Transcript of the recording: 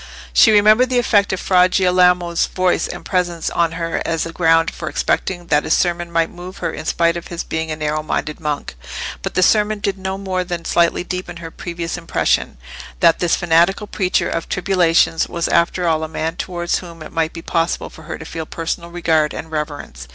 She remembered the effect of Fra Girolamo's voice and presence on her as a ground for expecting that his sermon might move her in spite of his being a narrow minded monk. But the sermon did no more than slightly deepen her previous impression, that this fanatical preacher of tribulations was after all a man towards whom it might be possible for her to feel personal regard and reverence.